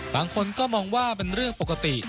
บางคนก็มองว่าเป็นเรื่องปกติ